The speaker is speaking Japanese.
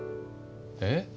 えっ？